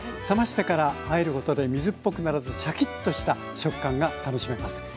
冷ましてからあえることで水っぽくならずシャキッとした食感が楽しめます。